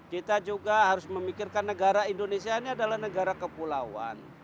kita juga harus memikirkan negara indonesia ini adalah negara kepulauan